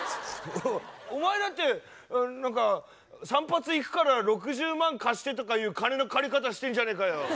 お前だって何か「散髪行くから６０万貸して」とかいう金の借り方してんじゃねえかよ。